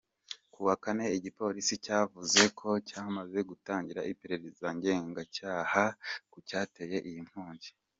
Ku wa kane, igipolisi cyavuze ko cyamaze gutangira iperereza ngenzacyaha ku cyateye iyo nkongi.